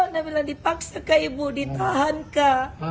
dia bilang dipaksa ke ibu ditahankan